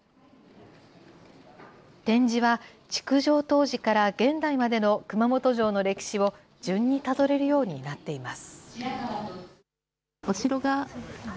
展示は築城当時から現代までの熊本城の歴史を順にたどれるようになっています。